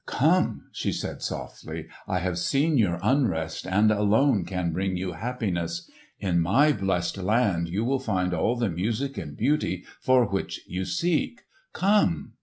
"Come," she said softly. "I have seen your unrest and alone can bring you happiness. In my blest land you will find all the music and beauty for which you seek. Come!"